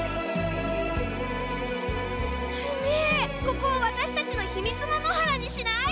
ねえここをワタシたちのひみつの野原にしない？